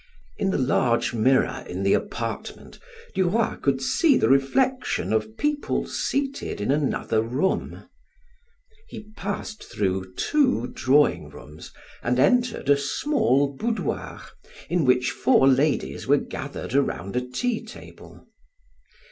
In the large mirror in the apartment Duroy could see the reflection of people seated in another room. He passed through two drawing rooms and entered a small boudoir in which four ladies were gathered around a tea table.